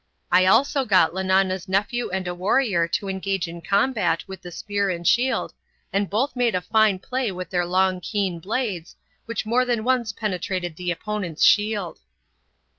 I also got Lenana's nephew and a warrior to engage in combat with the spear and shield, and both made fine play with their long keen blades, which more than once penetrated the opponent's shield.